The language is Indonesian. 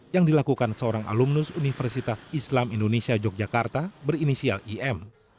yang dilakukan seorang alumnus universitas islam indonesia yogyakarta berinisial im